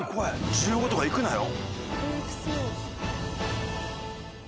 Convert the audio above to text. １５とかいくなよ。